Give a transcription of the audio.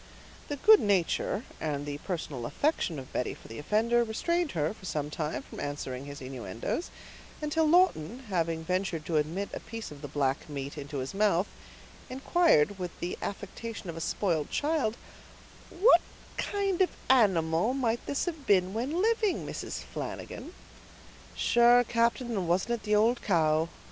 The good nature and the personal affection of Betty for the offender, restrained her, for some time, from answering his innuendoes, until Lawton, having ventured to admit a piece of the black meat into his mouth, inquired, with the affectation of a spoiled child,— "What kind of animal might this have been when living, Mrs. Flanagan?" "Sure, captain, and wasn't it the ould cow?"